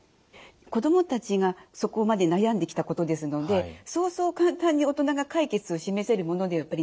子どもたちがそこまで悩んできたことですのでそうそう簡単に大人が解決を示せるものではやっぱりないんですね。